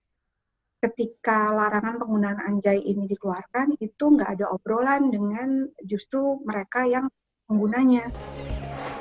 tergantung dari mana sih mbak yang saya lihat ketika larangan penggunaan anjai ini dikeluarkan itu tidak ada obrolan dengan mereka yang well dalam kutip loja